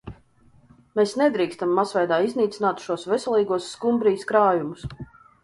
Mēs nedrīkstam masveidā iznīcināt šos veselīgos skumbrijas krājumus.